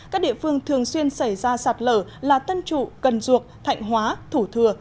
các địa phương thường xuyên xảy ra sạt lở là tân trụ cần duộc thạnh hóa thủ thừa